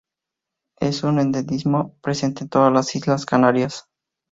Es un endemismo presente en todas las islas Canarias.